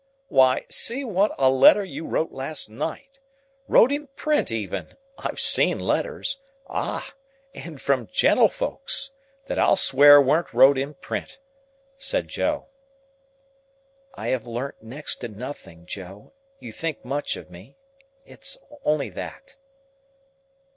"Why, see what a letter you wrote last night! Wrote in print even! I've seen letters—Ah! and from gentlefolks!—that I'll swear weren't wrote in print," said Joe. "I have learnt next to nothing, Joe. You think much of me. It's only that."